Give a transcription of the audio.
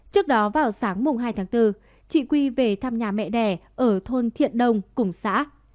trước đó vào sáng mùng hai tháng bốn chị quy về thăm nhà mẹ đẻ ở thôn thiện đông cùng xã